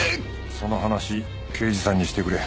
その話刑事さんにしてくれ。